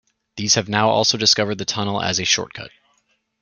These have now also discovered the tunnel as a "shortcut".